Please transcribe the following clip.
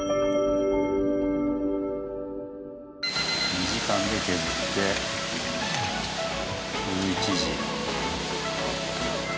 ２時間で削って１１時。